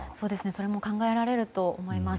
それも考えられると思います。